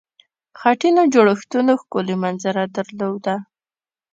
خټینو جوړښتونو ښکلې منظره درلوده.